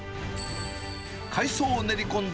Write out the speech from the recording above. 海藻を練り込んだ